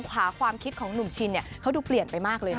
ความคิดของหนุ่มชินเขาดูเปลี่ยนไปมากเลยนะ